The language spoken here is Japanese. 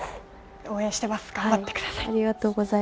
応援しています、頑張ってください。